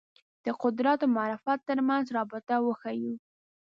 د قدرت او معرفت تر منځ رابطه وښييو